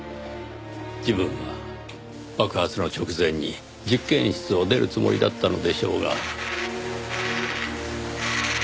自分は爆発の直前に実験室を出るつもりだったのでしょうが。